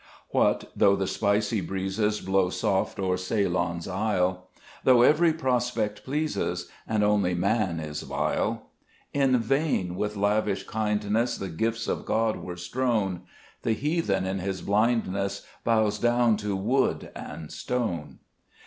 2 What though the spicy breezes Blow soft o'er Ceylon's isle ; Though even* prospect pleases, And only man is vile : In vain with lavish kindness The gifts of God are strown ; The heathen in his blindness Bows down to wood and stone.